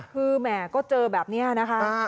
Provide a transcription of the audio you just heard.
คือแหมก็เจอแบบนี้นะคะ